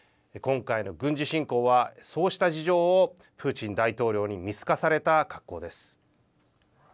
今回の軍事侵攻はそうした事情をプーチン大統領に見透かされた格好です。